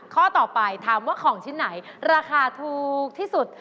ข้อต่อไปถามว่าของชิ้นไหนราคาถูกที่สุด